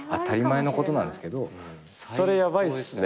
それヤバいっすね。